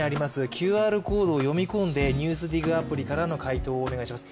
ＱＲコードを読み込んで「ＮＥＷＳＤＩＧ」アプリからの回答をお願いします。